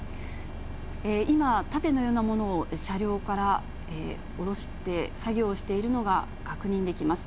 今、盾のようなものを車両から降ろして、作業しているのが確認できます。